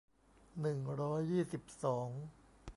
หนึ่งร้อยยี่สิบสอง